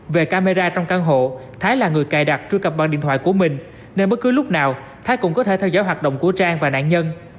về camera trong căn hộ thái là người cài đặt truy cập bằng điện thoại của mình nên bất cứ lúc nào thái cũng có thể theo dõi hoạt động của trang và nạn nhân